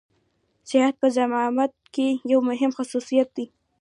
صحت په زعامت کې يو مهم خصوصيت دی.